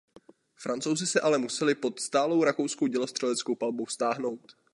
Francouzi se ale museli pod stálou rakouskou dělostřeleckou palbou stáhnout.